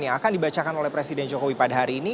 yang akan dibacakan oleh presiden jokowi pada hari ini